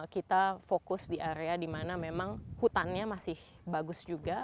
kita fokus di area dimana memang hutannya masih bagus juga